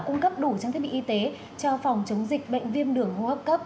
cung cấp đủ trang thiết bị y tế cho phòng chống dịch bệnh viêm đường hô hấp cấp